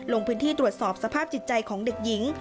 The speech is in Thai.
ลงพื้นที่ตรวจสอบสภาพจิตใจของเด็กหญิง